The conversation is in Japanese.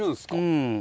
うん。